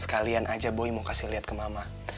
sekalian aja boy mau kasih lihat ke mama